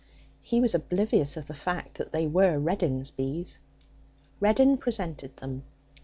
He was oblivious of the fact that they were Reddin's bees. Reddin presented them.